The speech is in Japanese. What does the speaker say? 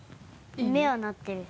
目はなってる。